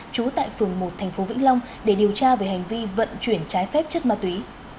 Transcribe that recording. trú tại phường một thành phố vĩnh long để điều tra về hành vi vận chuyển trái phép chất ma túy